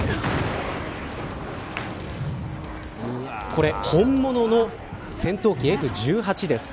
これ本物の戦闘機Ｆ‐１８です。